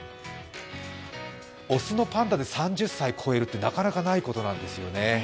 雄のパンダで３０歳超えるってなかなかないことなんですよね。